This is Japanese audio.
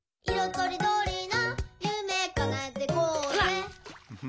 とりどりなゆめかなえてこうぜ！」